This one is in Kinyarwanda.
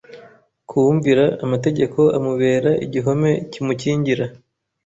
Ku wumvira, amategeko amubera igihome kimukingira.